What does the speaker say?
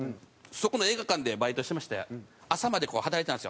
そこの映画館でバイトしてまして朝まで働いてたんですよ。